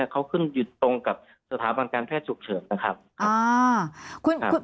เขาขึ้นอยู่ตรงกับสถาบันการแพทย์ฉุกเฉินนะครับ